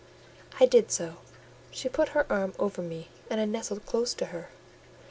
I did so: she put her arm over me, and I nestled close to her.